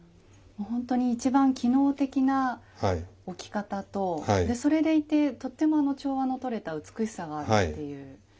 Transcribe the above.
本当に一番機能的な置き方とそれでいてとっても調和の取れた美しさがあるっていう。